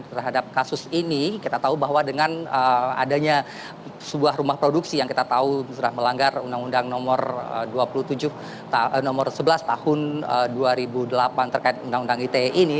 terhadap kasus ini kita tahu bahwa dengan adanya sebuah rumah produksi yang kita tahu sudah melanggar undang undang nomor sebelas tahun dua ribu delapan terkait undang undang ite ini